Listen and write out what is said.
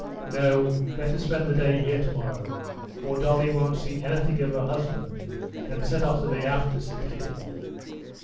"No, better spend the day here tomorrow, or Dolly won't see anything of her husband, and set off the day after," said Kitty.